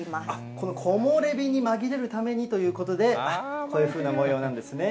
この木漏れ日に紛れるためにということで、こういうふうな模様なんですね。